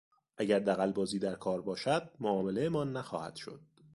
اگر دغلبازی در کار باشد معاملهمان نخواهد شد.